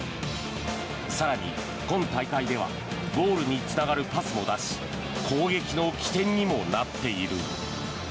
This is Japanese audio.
更に今大会ではゴールにつながるパスも出し攻撃の起点にもなっている。